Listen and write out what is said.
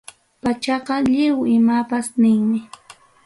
Pachaqa lliw imapas ninmi.